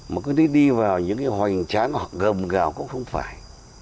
mà cứ đi vào những cái hoành tráng hoặc gầm gào cũng không phải